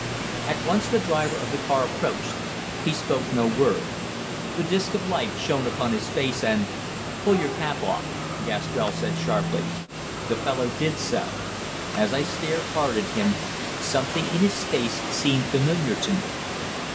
At once the driver of the car approached. He spoke no word. The disc of light shone upon his face and "Pull your cap off," Gastrell said sharply. The fellow did so. As I stared hard at him, something in his face seemed familiar to me.